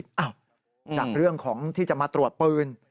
จากเรื่องของที่จะมาตรวจปืน